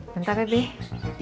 bentar ya beh